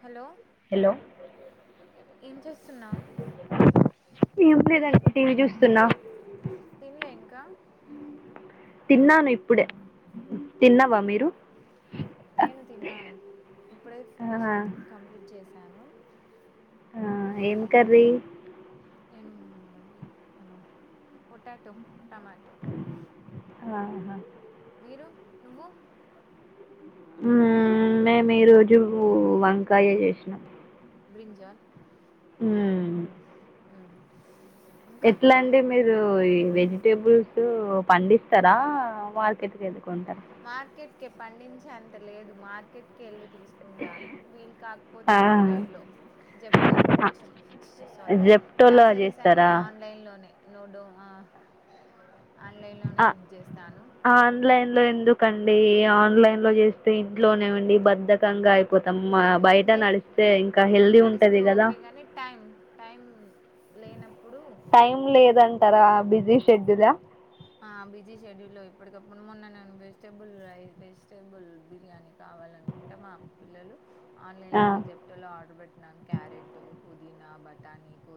Hello hello ఏం చేస్తున్నావు ఏం లేదండి టీవీ చూస్తున్నా కా తిన్నాను ఇప్పుడే తిన్నావా మీరు నేను తిన్నాను ఇప్పుడే ఫినిష్ ఆహా కంప్లీట్ చేశాను ఆ ఏమ్ కర్రీ నేను అండి మనం పొటాటో టమాటో ఆహా మీరు నువ్వు ఉ మేము ఈ రోజు వంకాయ చేసినాం బ్రింజల్ హ్మ్మ్ ఇంకా ఎట్లా అండి మీరు వెజిటేబుల్స్ పండిస్తారా మార్కెట్ కి వెళ్లి కొంటార మార్కెట్ కే పండించే అంత లేదు మార్కెట్ కే వెళ్ళి తీసుకుంటాను వీళు కాకపోతే ఆ ఆన్లైన్లో జెప్టో సారీ జెప్టోలో గ్రాసరీస్ అన్ని చేస్తారా ఆన్లైన్లో లోనే నోడుో ఆన్లైన్ లోనే బుక్ చేస్తాను ట్లో ఎందుకండి ఆన్లైన్ లో చేస్తే ఇంట్లోనే ఉండి బద్ధకంగా అయిపోతాం మా బయట అంటే నడిస్తే ఇంకా హెల్దీ నడిస్తే ఉంటది కదా ఓకే గాని టైం టైం లేనప్పుడు చాలా బిజీ షెడ్యూల్ ఆ ఆ బిజీ షెడ్యూల్ లో ఇప్పటికప్పుడు మొన్న నన్ వెజిటేబుల్ రైస్ వెజిటేబుల్ బిర్యానీ కా కావాలనుకుంటే మా పిల్లలు ఆన్లైన్ ఆ, లో జెప్టోలో ఆర్డర్ పెట్టినాను క్యారెట్ పుదీనా బటానీ పో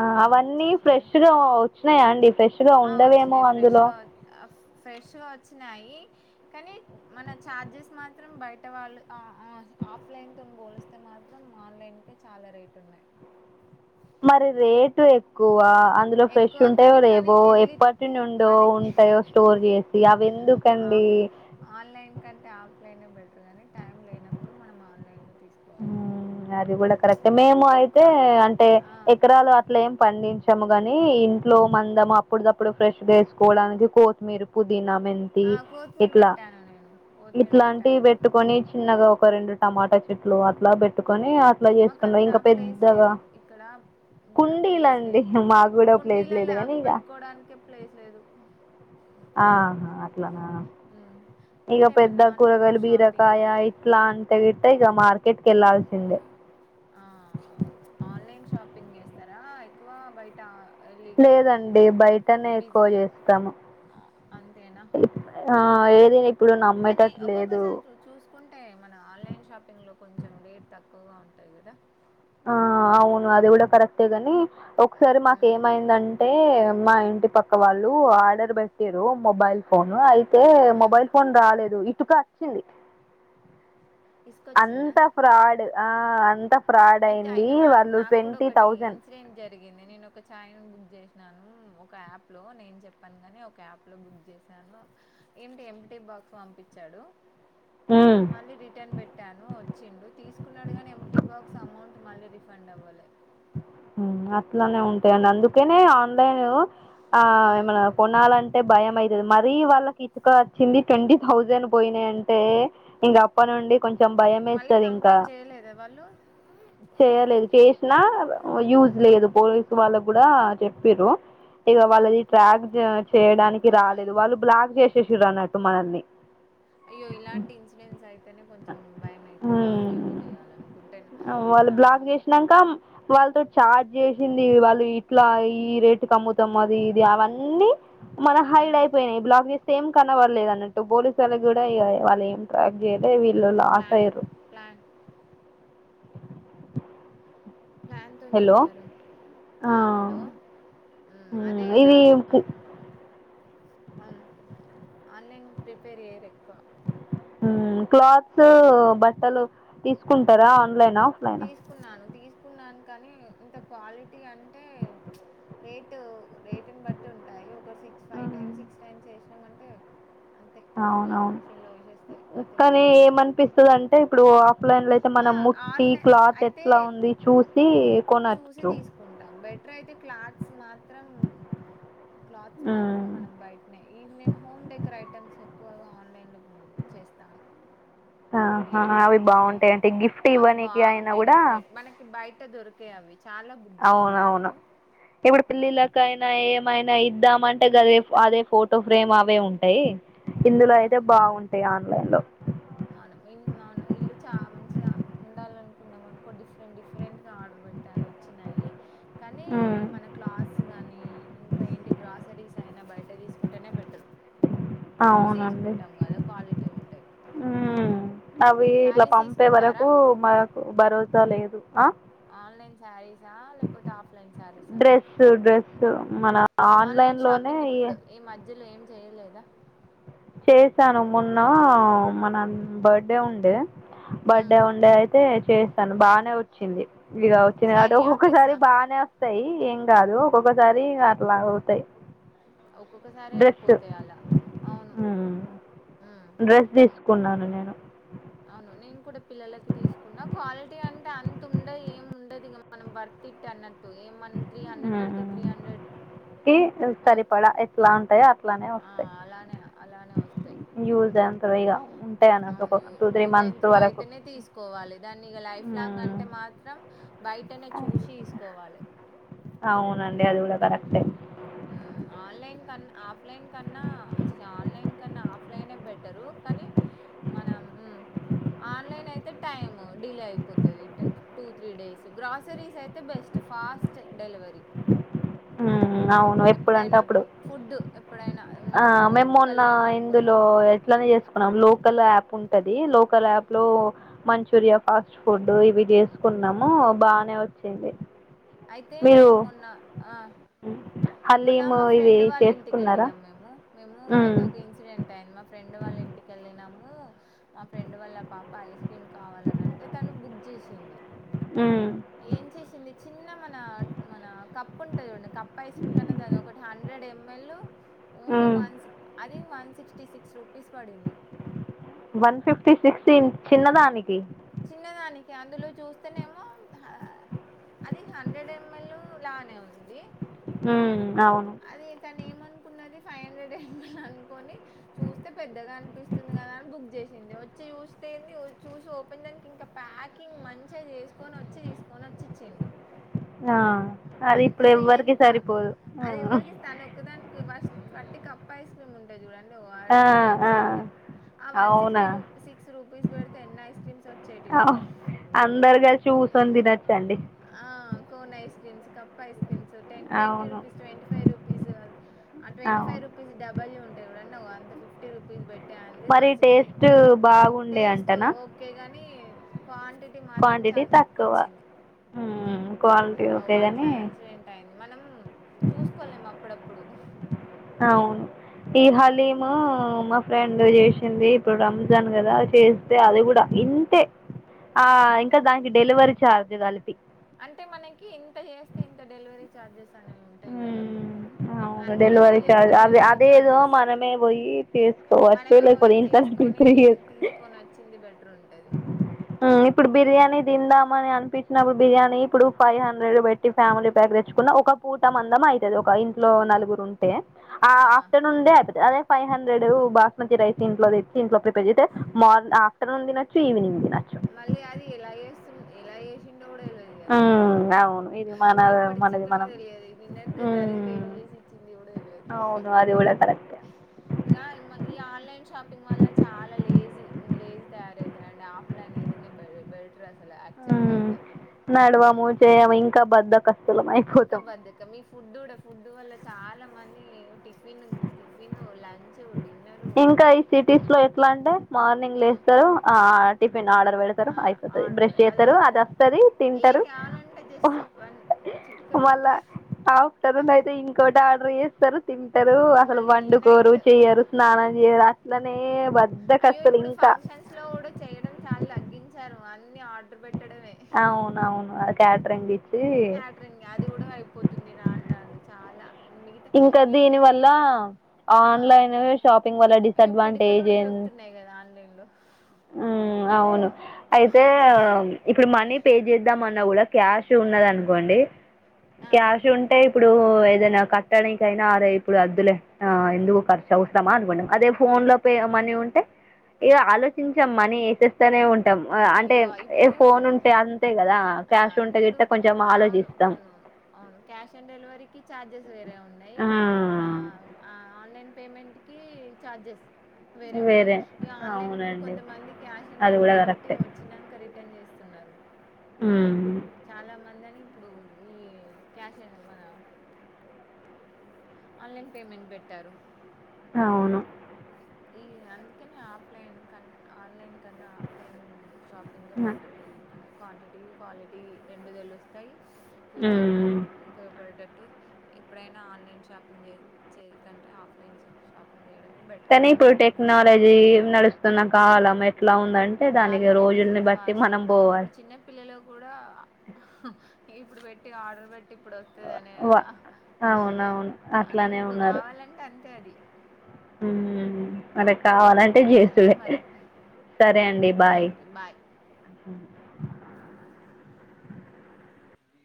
ఆ అవన్నీ వచ్చేసినాయి ఫ్రెష్గా వచ్చినాయా అండి ఫ్రెష్గా ఆ ఉండవేమో వచ్చినాయి అందులో ఫ్రెష్గా ఫ్రెష్గా వచ్చినాయి కానీ మన చార్జెస్ మాత్రం బయట వాళ్ళు ఆ ఆ ఆఫ్లైన్ తో పోలిస్తే మాత్రం ఆన్లైన్ కే చాలా రేట్ ఉన్నాయి మరి రేటు ఎక్కువ అందులో ఫ్రెష్ ఎక్కువ ఉంటాయో కానీ కానీ లేవో వెళ్ళి ఎప్పటిం ఉండో మనకి ఉంటాయో స్టోర్ చేసి అవి ఎందుకండి ఆఫ్ ఈ ఆన్లైన్ కంటే ఆఫ్ లైన్ బెటర్ గానీ టైం లేనప్పుడు మనం ఆన్లైన్ లో అది కూడా కరెక్ట్ మేము అయితే ఎక్కువ అంటే ఎకరాలు అట్లా ఏం పండించ చము గాని ఇంట్లో మందం అప్పుడికప్పుడు ఫ్రెష్గా వేసుకోవడానికి కోతిమిర పుదీన మెంతి కొత్తిమీర ఇట్లా పెట్టాను నేను కొత్తిమీర ఇట్లాంటి పెట్టాను పెట్టుకొని చిన్నగా ఒక రెండు టమాటా చెట్లు అట్లా పెట్టుకొని అట్లా చేసుకున్నా మాకంతా ఇంక ప్లేస్ పెద్దగా లేదు ఇక్కడ ఇక్కడ ప్లేస్ కుండీలండి లేదు మాకు కూడా ప్లేస్ లేదు కుండీలలో గానీ అవి ఇగ పెట్టుకోవటానికే ప్లేస్లేదు ఆహ మ్మ్ ఇక ఇంకా పెద్ద ఏమన్నా ఆన్లైన్లో కూరగాయలు షాపింగ్ బీరకాయ ఇట్లా అంత గిట్టా ఇక మార్ కెట్ కెళ్ళాల్సిందే ఆ, ఇస్తారా ఎక్కువ బయట వెళ్ళి లేదండి బయటనే విజి ఎక్కువ చేస్తాము ఆ, అంతేనా ఆ ఏ కానీ ఒక్కొక్కసారి చూసుకుంటే మన ఆన్లైన్ షాపింగ్ లో కొంచెం రెట్ తక్కువ క్కువగా ఉంటాయి కదా ఆ అవును అది కూడా కరెక్టే గాని ఒకసారి మ్మ్. మాకేమైందంటే మా ఇంటి పక్క వాళ్ళు ఆర్డర్ పెట్టారు మొబైల్ ఫోన్ అయి తే మ్మ్. మొబైల్ ఫోన్ రాలేదు ఇటుక వచ్చింది అంత ఇసుకొచ్చిందా ఫ్రాడ్ ఆ అంత ఫ్రాడ్ అయితే అయింది అయ్యో నా వాళ్ళు నాకు కూడా ట్వంటీ ఒకటి థౌజండ్ ఇన్సిడెంట్ జరిగింది నేను ఒక ఛాయ బుక్ చేసినాను ఒక యాప్ లో నేను చెప్పాను కాని ఒక యాప్ లో బుక్ చేసాను ఏంటి ఏమి టి బాక్స్ పంపించాడు మళ్ళీ రిటర్న్ పెట్టాను వచ్చిండు తీసుకున్నాడుగాని ఎమ్టి బాక్స్ మౌంట్ మళ్ళీ రిఫండ్ అవ్వాలి అట్లానే ఉంటాయండి అందుకేనే ఆన్లైను ఆ ఉమ్. ఏమనా కొనాలంట టే భయం అయితుది మరీ వాళ్ళకి ఇటుక వచ్చింది ట్వంటీ థౌజండ్ పోయినాయి అంటే ఇంక అప్ప నుండి కొంచెం భయం మళ్ళీ వేస్తది ఇంకా కంప్లైంట్ చేయలేదా వాళ్ళు చేయలేదు చేసినా యూజ్ ఉమ్. లేదు పోలీసు వాళ్ళ కూడా చెప్పిరు ఇక ఆ. వాళ్ళది ట్రాక్ చేయ చేయడానికి ఆ. రాలేదు వాళ్ళు బ్లాక్ చేసేసిరు అన్నట్టు మనల్ని అయ్యో ఇలాంటి ఇన్సిడెంట్స్ అయితేనే కొంచెం భయమైతుంది ఆన్లైన్ లో చేయాలనుకుంటే వాళ్ళు నా బ్లాక చేసినాక వాళ్ళతో చాట్ చేసింది వాళ్ళు ఇట్లా ఈ రేట్ కమ్ముతాం అది ఇది అవన్నీ మళ్ళా ఆ. హైడ్ అయిపోయినాయి బ్లాక్ చేస్తే ఏం కనవల్లేద్ అన్నట్టు పోలీసు వాళ్ళకి కూడా వాళ్ళు ఏం ట జేడేవీల్లు అంత ప్లాన్ లాసయ్యిరు ప్లాన్ ప్లాన్ తోన్ హలో చేసారు ఆ హలో ఉమ్ ఊ ఇది ఆన్ ఆన్లైన్ ప్రిఫర్ చేయరెక్కువ క్లాత్స్ బట్టలు తీసుకుంటారా ఆన్లైన్ ఆఫ్లైన్ తీసుకున్నాను తీసుకున్నాను కానీ ఇంత క్వాలిటీ అంటే రేటు రేటుని బట్టి ఉంటాయి six five time six times చేసినమంటే అవునవును అదే కానీ ఏమనిపిస్తదంటే ఇప్పుడు ఆప్లైన్లో అయితే మన ముట్టి ఆన్లైన్ క్లాత్ అయితే ఎట్లా ఉంది చూసి కొనచ్చు ప్రైతి క్లాత్స త్రంగ్ క్లాత్స్ మాత్రం మ్మ్ మనం బయటనేయి ఈ నేను హోమ్ డెకరేటమ్స్ ఎక్కువ ఆన్లైన్లో చేస్తాను ఆ ఏమన అవి ఆ బాగుంటాయి గిఫ్ట్ అవి ఇవ్వనీకి అయినా బాగుంటాయి కూడా డిఫరెంట్ మనకి బయట దొరికాయి అవి చాలా బుక్ చేశాను అవునవును నేను ఇప్పుడు ఆ, పెళ్లిలకైనా ఏ మైనా ఇద్దామ అంటే అదే అదే ఫోటో ఫ్రేమ్ అవే ఉంటాయి ఇందులో అయితే అవును బాగుంటాయి ఆన్లైన్ లో మనం ఇ మనం ఇల్లు చాలా మంచిగా ఉండాల అనుకున్నాం అనుకో డి కొంచెం డిఫరెంట్ గా ఆర్డర్ పెట్టాను వచ్చినాయి కానీ ఈ ఉమ్, మన క్లాత్స్ గానీ ఇంకా ఏంటి గ్రాసరీస్ అయినా బయట తీసుకుంటేనే బెటర్ చూసి తీసుకుంటాం కదా క్వాలిటీ ఉంటాయి ఉ అవి ఇట్లా శారీస్ పంపే తీసుకుంటారా వరకు మాకు భరోసా లేదు ఆ ఆన్లైన్ శారీసా లేకపోతే ఆఫ్లైన్ శారీసల డ్రెస్ డ్రెస్ మన ఆన్లైన్లోనే షాపింగ్ ఇప్పుడు ఈ మధ్యలో ఏం చెయలేదా చేసాను మొన్న మన బర్త్డే ఉండే ఉమ్ బర్త్డే వండే అయితే చేస్తాను బానే వచ్చింది ఇగ వచ్చిన కాబట్టి శారీయా డ్రెస్సా ఒక్కొక్కసారి బాగానే వస్తాయి ఏం కాదు ఒక్కొక్కసారి అట్లా అవుతాయి ఒక్కొక్కసారి అయిపోతాయి అలా అవును ఉ ఉమ్ డ్రెస్ తీసుకున్నాను నేను అవును నేను కూడా పిల్లలకి తీసుకున్నా క్వాలిటీ అంటే అంత ఉండదు ఏం ఉండదు ఇక మనం వర్క్ తిట్ అన్నట్టు ఏం మ త్రీ హండ్రెడ్ వెళ్తే త్రీ హండ్రెడ్ ఇ వస్తది సరిపడా ఎట్లా ఉంటాయో అట్లానే ఆ వస్తాయి అలానే అలానే వస్తాయి యూజ్ అంత ఇగా ఉంటాయి అనిట్ ఒకట్టు యూజన్ త్రో అయితేనే తీసుకోవాలి దాన్ని ఇ లైఫ్ లాంగ్ అంటే వరకు మాత్రం బయటనే చూసి చేసుకోవాలి అవునండి అది కూడా కరక్టే ఉ ఆన్లైన్ క ఆఫ్లైన్ కన్నా ఆన్లైన్ కన్నా ఆఫ్లైనే బెటరు కానీ మనం హు ఆన్లైన్ అయితే టైం డిలే అయిపోతుది టూ త్రీ డేస్ గ్రాసరీస్ అయితే బెస్ట్ ఫాస్ట్ డెలివరి ఉమ్ అవును ఎప్పుడంటే ఎప్పుడైనా అప్పుడు ఫుడ్ ఎప్పుడైనా ఆ మనకి మేము మొన్న ఓపికలు ఏమ అనుకున్నా ఇందులో ఎట్లనే చేసుకున్నా లో లోకల్ యాప్ ఉంటది లోకల్ యాప్ లో మంచూరియా ఫాస్ట్ ఫుడ్ ఇవి చేసుకున్నాము బానే వచ్చింది అయితే మీరు నేను ము న్న అ మొన్న హలీము మా ఇవి ఫ్రెండ్ వాళ్ళ ఇంటికి చేసుకున్నారా వెళ్ళినం మేము మేము ఉమ్ అయితే ఒక ఇన్సిడెంట్ అయింది మా ఫ్రెండ్ వాళ్ళ ఇంటకిళ్ళినము మా ఫ్రెండ్ వళ్ల పాప ఐస్ క్రీమ్ కావాలనింటే తను బుక్ చేసింది ఉమ్ ఏం చేసింది ఇంకా మన మన కప్పు ఉంటంది చూడండి కప్పు ఐస్ క్రీమ్ కన్నా దాది ఒకటి hundred ML only um one అది వన్ సిక్స్టీ సిక్స్ రూపీస్ పడింది వన్ ఫిఫ్టీ సిక్స్ చిన్నదానికి చిన్నదానికి అందులో చూస్తేనేమో అది హండ్రెడ్ ఎంఎల్ లానే ఉంది ఉమ్ అదే తను ఏమనుకున్నది ఫైవ్ అ హండ్రెడ్ [inaudible] అనుకొని చూస్తే పెద్దగా అనిపిస్తుంది గదా అని బుక్ జేసింది వచ్చి చూస్తే ఏంది చూసి ఓపెన్ దానికి ఇంకా ప్యాకింగ్ మంచిగా జేసుకొని వచ్చి తీసుకొని వచ్చిచ్చిండు ఆ ఇప్పుడు అది ఎవ్వరికి ఎంత సరిపోదు అది ఎవరికి తన ఒకదానికి వట్టి కప్ ఐస్ క్రీమ్ ఉంటది చూడండి ఓ ఆ అట్లా ఆ వచ్చింది ఆ వన్ సిక్స్టీ అవునా రూ సిక్స్ రూపీస్ పెడితే ఎన్ని ఐస్ క్రీమ్స్ వచ్చేటియో అందరు గలిసి కూస్సోని తినచ్చు ఆ cone ice creams cup ice creams twenty అవును rupees twenty five rupees twenty అవును ఫైవ్ రూపీస్ డబల్ ఉంటాయి ఎవరన్నా అంత ఫిఫ్టీ రూపీస్ బెట్టి మరి టేస్ట్ బాగుండే టేస్ట్ అంటనా ఓకే కానీ క్వాంటిటీ మాత్రం చాలా తక్కువ వచ్చింది క్వాలిటీ అవు ఓకే గాని అట్లా ఇన్సిడెంట్ అయింది మనం చూసుకోలేము అప్పుడు అప్పుడప్పుడు అవును ఈ అవును హలీము ఫ్రెండ్ జేసింది ఇప్పుడు రంజాన్ గదా చేస్తే అది గూడా ఇంతే ఆ ఎంత ఇంకా దానికి డెలివరీ ఛార్జ్ కలిపి అంటే మనకి ఇంత జేస్తే ఇంత డెలివరీ ఛార్జెస్ అనేవి ఉంటాయి కదా ఉమ్ అవును హండ్రెడ్ డెలివరీ అబోవ్ ఛార్జ్ చేస్తే అదే డెలివరీ అదేదో ఛార్జెస్ మనమే పోయి తీసుకోవచ్చు లేకపోతే ఇంట్లో కొని తీసుకొని వచ్చింది బెటరండి ఆ ఇప్పుడు బిర్యానీ తిందామని అని అనిపించినప్పుడు బిర్యానీ ఇప్పుడు ఫైవ్ హండ్రెడ్ బెట్టి ఫ్యామిలీ ప్యాక్ తెచ్చుకున్న ఒక పూ టమందం అయితది ఒక ఇంట్లో నలుగురు ఉంటే ఆ ఆఫ్టర్నూన్ డే అయిపోది అదే ఫైవ్ హండ్రెడ్ బాస్మతి రైస్ ఇంట్లో తెచ్చి ఇంట్లో ప్రిపేర్ జేతే మా ఆఫ్టర్నూన్ తినొచ్చు ఈవినింగ్ తినొచ్చు మళ్ళీ అది ఎలా చేస్తు ఎలా చేసిండో గూడా తెలువదు గదా మ్మ్ అవును ఇది మన ఏ మనది చికెన్ మనం తెలియదు నిన్నడిది అదే మ్మ్ వేడి చేసి ఇచ్చింది గూడా తెలువది అవును అది కూడా కరెక్టే ఇగా ఈ ఆన్లైన్ షాపింగ్ వల్ల చాలా లేజీ లేజీ తయారైంది రండి ఆఫ్లైన్ ఐతేనే బెటర్ అండి ఉమ్ నడవము చేయము ఇంకా బద్దకస్తులం ఇంకా అయిపోతాం బద్దకం ఈ ఫుడ్ ఫుడ్ వల్ల చాలా మంది టిఫిన్ టిఫిన్ లంచ్ డి ఇంకా ఈ సిటీస్ లో ఎట్లా అంటే మార్నింగ్ లేస్తరు ఆ టిఫిన్ ఆడరు పెడతారు అయిపోతది బ్రష్ యెత్తరు అది వస్తది తింటరు ఏది కావాలంటే జస్ట్ వన్ చిటికలో మళ్ళా ఆఫ్టర్నూన్ అయితే ఇంకొటి ఆర్డర్ జేస్తరు తింటరు అసలు మళ్ళీ వండుకోరు నైట్ చెయ్యరు స్నానం చేయరు అట్లనే అయ్యో బద్దకస్తులు ఇప్పుడు ఇంకా ఫంక్షన్స్ లో కూడా చేయడం చాలా తగ్గించారు అన్ని ఆర్డర్ పెట్టి అవును అవును అ క్యాటరింగ్ ఇచ్చి క్యాటరింగ్ అది గూడా అయిపోతుంది రాను రాను చాలా ఇంక మిగతా ఇంకా ఏంటి దీని వల్ల పి- ఆ ఆన్లైన్ షాపింగ్ వల్ల డిసడ్వాంటేజ్ ఏ తున్నాయి గదా ఆన్లైన్ ఉమ్ ఉమ్ అవును అయితే ఇప్పుడు మనీ పే చేద్దామన్నా గూడా క్యాష్ ఉన్నది అనుకోండి ఆ క్యాష్ ఉంటే ఇప్పుడు ఏదైనా కట్టనీకైనా అరే ఇప్పుడు అద్దులే ఎందుకు ఖర్చు అవసరమా అనుకుంటాం అదే ఫోన్ ఫోన్ లో పే మనీ ఉంటే ఇగ ఆలోచించాం మనీ యేసేస్తనే ఉంటా అంటే అయ్యో ఏ ఇప్పుడు ఫోన్ ఉంటే అంతే గదా ఆ క్యాష్ ఉంటే ఇప్పుడు జేస్తే కొంచెం అవును ఆలోచిస్తాం అవును అవును క్యాష్ ఆన్ డెలివరీకి ఛార్జెస్ వేరే ఉన్నాయి ఆ! ఆ ఆన్లైన్ పేమెంట్ కి ఛార్జెస్ వేరే ఉన్నాయి ఇక ఆన్లైన్ ఇప్పుడు అవునండి. కొంతమంది క్యాష్ ఆన్ అది గూడా డెలివరీ పెట్టి కరెక్టే. వచ్చినాక రిటర్న్ చేస్తున్నారు మ్మ్ చాలా మంది అని ఇప్పుడు ఈ క్యాష్ అయినా మన ఆన్లైన్ పేమెంట్ పెట్టారు అవును ఈ అందుకనే ఆప్లైన్ కన్ ఆన్లైన్ కన్నా ఆఫ్లైన్ షాపింగ్గా హ్మ్. బెటర్ ఇ మన క్వాంటిటీ క్వాలిటీ రెండు తెలుస్స్తాయి ఫ్యూచర్ కూడా హ్మ్. ఉపయోగపడేటట్టు ఎప్పుడైనా ఆన్లైన్ షాపింగ్ చే చేయకంటే ఆఫ్లైన్ షాపింగ్ చేయడం కానీ ఇప్పుడు టెక్నాలజీ నడుస్తున్నా కాలం ఎట్లా ఉందంటే చాలా దానికి రోజుల్ని జనరేషన్స్ బట్టి ఫాస్ట్ మనం ఇప్పుడు పోవాలి ఇప్పుడు చిన్నపిల్లలు కూడా ఇప్పుడు పెట్టి ఆర్డర్ పెట్టి ఇప్పుడు వస్తది అనే వ అవునవును మనకి అట్లానే ఇప్పుడు కావాలంటే అంతే అది మ్మ్ వాళ్ళకి కావాలంటే ఓకే చేసుడే మరి సరే అండి bye thank you bye a